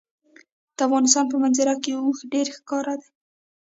د افغانستان په منظره کې اوښ ډېر ښکاره دی.